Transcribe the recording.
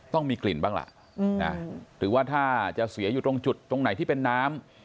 ต้องมีกลิ่นบ้างล่ะหรือว่าถ้าจะเสียอยู่ตรงจุดตรงไหนที่เป็นน้ำ